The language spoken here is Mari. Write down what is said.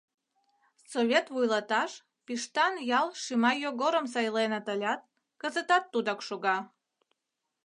Совет вуйлаташ Пиштан ял Шимай Йогорым сайленыт ылят, кызытат тудак шога.